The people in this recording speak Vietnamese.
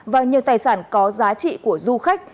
và nhiều tài sản có giá trị của du khách